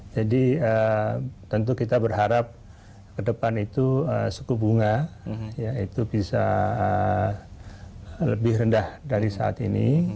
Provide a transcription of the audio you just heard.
jadi tentu kita berharap ke depan itu suku bunga itu bisa lebih rendah dari saat ini